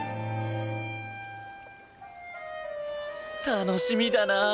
楽しみだなあ！